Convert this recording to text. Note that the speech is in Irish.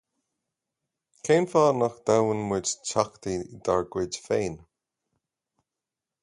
Cén fáth nach dtoghann muid teachtaí dár gcuid féin?